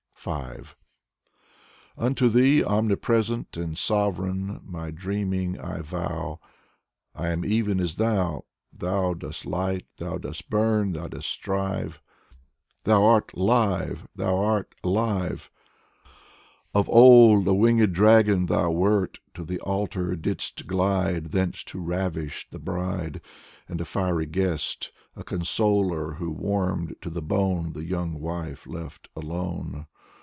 Unto thee, omnipresent and sovereign, my dreaming I vow. I am even as thou. Thou dost light, thou dost burn, thou dost strive. Thou art live, thou art *live ! Of old a winged dragon thou wert, to the altar didst glide Thence to ravish the bride. And a fiery guest, a consoler who warmed to the bone The young wife left alone.